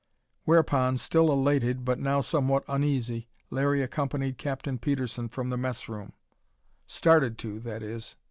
Whereupon, still elated but now somewhat uneasy, Larry accompanied Captain Petersen from the mess room; started to, that is.